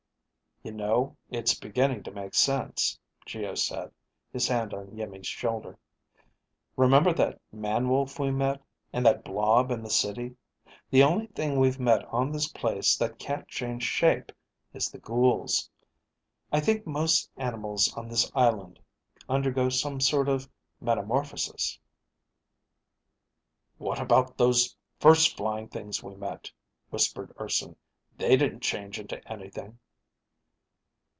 "You know it's beginning to make sense," Geo said, his hand on Iimmi's shoulder. "Remember that man wolf we met, and that blob in the city? The only thing we've met on this place that can't change shape is the ghouls. I think most animals on this island undergo some sort of metamorphosis." "What about those first flying things we met?" whispered Urson. "They didn't change into anything."